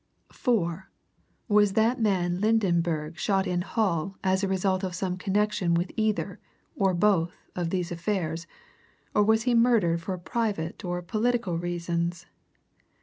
Four Was that man Lydenberg shot in Hull as a result of some connection with either, or both, of these affairs, or was he murdered for private or political reasons?